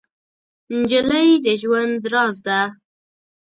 نجلۍ د ژوند راز ده.